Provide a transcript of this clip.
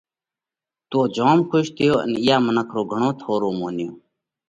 تو جوم کُش ٿيو ان اِيئا منک رو گھڻو ٿورو مونيو۔